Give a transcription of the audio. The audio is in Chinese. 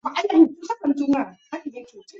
是天主教横滨教区的主教座堂。